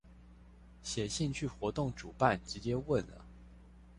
寫信去活動主辦直接問了